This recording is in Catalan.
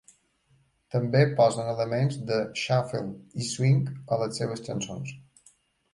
També posen elements de shuffle i swing a les seves cançons.